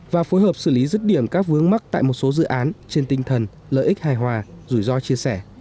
và phối hợp xử lý rứt điểm các vướng mắc tại một số dự án trên tinh thần lợi ích hài hòa rủi ro chia sẻ